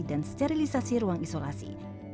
dan sterilisasi ruang isolasi